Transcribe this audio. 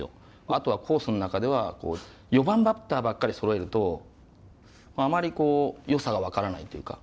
あとはコースの中では４番バッターばっかりそろえるとあまりこうよさが分からないというか。